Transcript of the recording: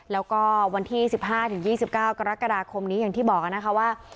แล้วก็วันที่๑๕๒๙กรกฎาคมนี้อย่างที่บอกนะคะว่า